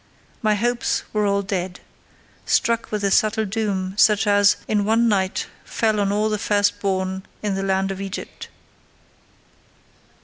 My hopes were all dead—struck with a subtle doom, such as, in one night, fell on all the first born in the land of Egypt.